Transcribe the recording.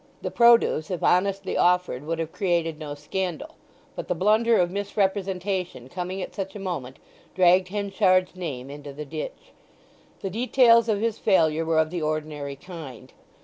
The produce if honestly offered would have created no scandal; but the blunder of misrepresentation, coming at such a moment, dragged Henchard's name into the ditch. The details of his failure were of the ordinary kind.